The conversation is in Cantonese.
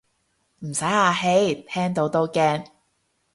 唔使客氣，聽到都驚